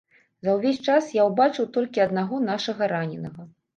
За ўвесь час я ўбачыў толькі аднаго нашага раненага.